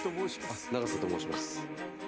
あっ永瀬と申します。